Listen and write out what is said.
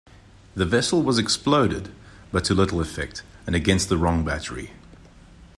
The vessel was exploded, but to little effect and against the wrong battery.